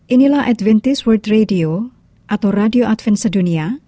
inilah adventist world radio atau radio adventsa dunia